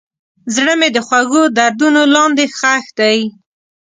زړه مې د خوږو دردونو لاندې ښخ دی.